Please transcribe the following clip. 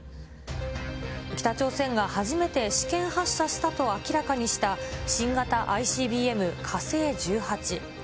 北朝鮮が初めて試験発射したと明らかにした新型ＩＣｂ、新型ＩＣＢＭ、火星１８。